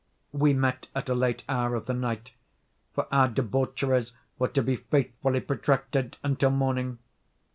We met at a late hour of the night; for our debaucheries were to be faithfully protracted until morning.